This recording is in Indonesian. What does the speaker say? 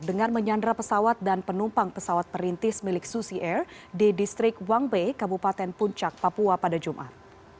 dengan menyandra pesawat dan penumpang pesawat perintis milik susi air di distrik wangbe kabupaten puncak papua pada jumat